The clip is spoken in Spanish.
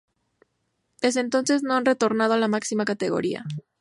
Desde entonces no han retornado a la máxima categoría.